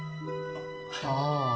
ああ。